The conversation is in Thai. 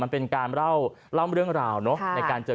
มันก็ดีเหมือนกันนะ